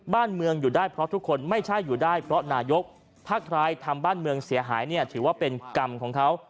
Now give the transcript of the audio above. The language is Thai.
บ้านเมืองอยู่ได้เพราะทุกคนไม่ใช่อยู่ได้เพราะนายกภาคร้ายทำบ้านเมืองเสียหายเนี่ยถือว่าเป็นกรรมของเขา